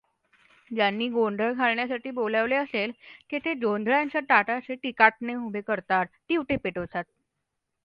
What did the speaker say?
ज्यांनी गोंधळ घालण्यासाठी बोलावले असेल तेथे जोंधळ्याच्या ताटाचे तिकाटणे उभे करतात, दिवटे पेटवतात.